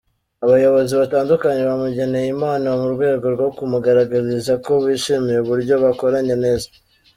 Abayobozi batandukanye bamugeneye impano mu rwego rwo kumugaragariza ko bishimiye uburyo bakoranye neza.